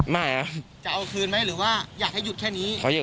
อยากจะขยับอย่างนี้